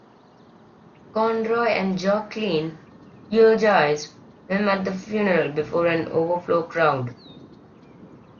Conroy and Joe Klein eulogized him at the funeral, before an overflow crowd.